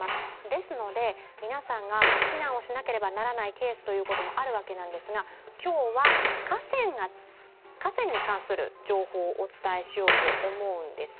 ですので、皆さんが避難をしなければならないケースもあるわけですが、今日は河川に関する情報をお伝えしようと思うんです。